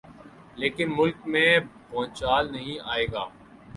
لیکن ملک میں بھونچال نہیں آئے گا۔